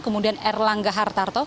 kemudian erlangga hartarto